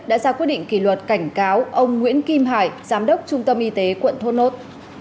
đã ra quyết định kỷ luật cảnh cáo ông nguyễn kim hải giám đốc trung tâm y tế quận thốt nốt